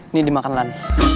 ini dimakan lan